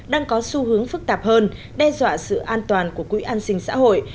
đang có xu hướng phức tạp hơn đe dọa sự an toàn của quỹ an sinh xã hội